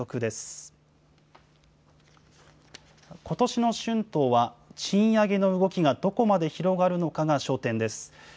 ことしの春闘は、賃上げの動きがどこまで広がるのかが焦点です。